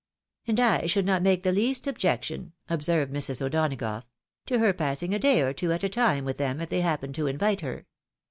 " And I should not make the least objection,'' observed Mrs. O'Donagough, " to her passing a day or two at a time with them, if they happened to invite her.